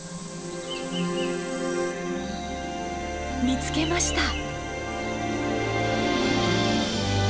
見つけました。